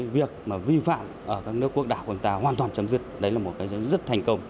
việc vi phạm ở các nước quốc đảo của chúng ta hoàn toàn chấm dứt đấy là một cái chấm dứt thành công